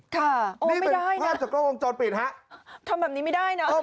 ค่ะโอ้ไม่ได้นะนี่เป็นภาพจากกล้องจอดปิดฮะทำแบบนี้ไม่ได้น่ะ